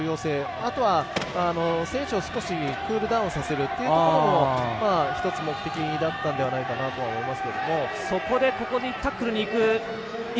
あとは、選手を少しクールダウンさせるというところも１つ目的だったのではないかと思います。